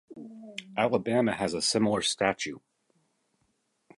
Alabama has a similar statute.